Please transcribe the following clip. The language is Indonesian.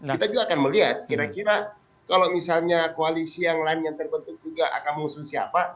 kita juga akan melihat kira kira kalau misalnya koalisi yang lain yang terbentuk juga akan mengusung siapa